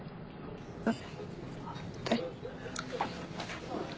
えっ？